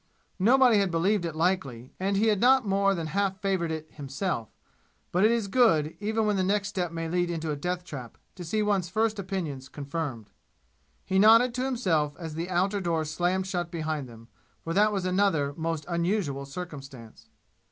Nobody had believed it likely, and he had not more than half favored it himself; but it is good, even when the next step may lead into a death trap, to see one's first opinions confirmed. He nodded to himself as the outer door slammed shut behind them, for that was another most unusual circumstance.